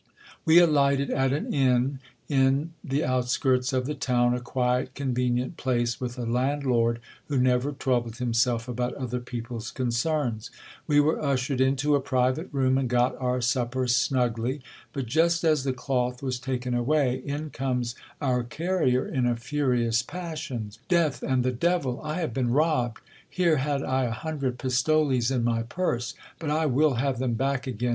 We alighted at an inn in the out skirts of the town, a quiet convenient place, with a landlord who never trou bled himself about other people's concerns. We were ushered into a private room, and got our supper snugly : but just as the cloth was taken away in comes THE MULETEERS TRICK AND ITS CONSEQUENCES. 7 our carrier in a furious passion :— Death and the devil ! I have been robbed. Here had I a hundred pistoles in my purse ! But I will have them back again.